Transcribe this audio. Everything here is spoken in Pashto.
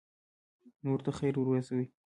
نورو ته خیر ورسوئ